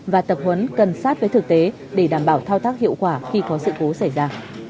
và tập huấn cần sát với thực tế để đảm bảo thao tác hiệu quả khi có sự cố xảy ra